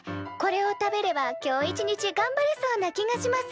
これを食べれば今日一日がんばれそうな気がします。